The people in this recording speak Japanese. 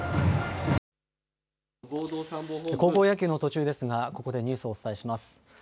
高校野球の途中ですがここでニュースをお伝えします。